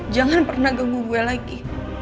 jangan pernah ganggu gue lagi